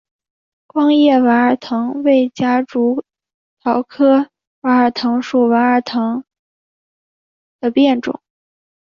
光叶娃儿藤为夹竹桃科娃儿藤属娃儿藤的变种。